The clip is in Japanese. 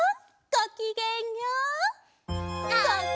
ごきげんよう！